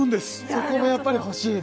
そこもやっぱり欲しい？